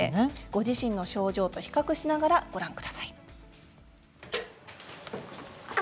ご自身の症状と比較しながらご覧ください。